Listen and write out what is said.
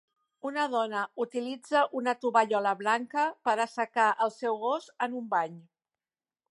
Una dona utilitza una tovallola blanca per assecar el seu gos en un bany.